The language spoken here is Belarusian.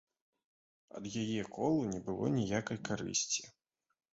Ад яе колу не было ніякай карысці.